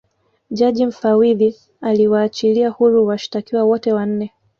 jaji mfawidhi aliwachilia huru washitakiwa wote wanne